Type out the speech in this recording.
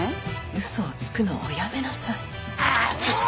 うそをつくのはおやめなさい。